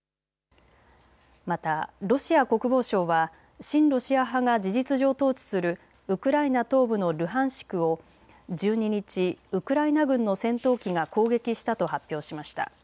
またロシア国防省は親ロシア派が事実上、統治するウクライナ東部のルハンシクを１２日、ウクライナ軍の戦闘機が攻撃したと発表しました。